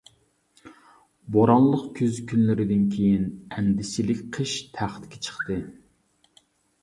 بورانلىق كۈز كۈنلىرىدىن كېيىن ئەندىشىلىك قىش تەختكە چىقتى.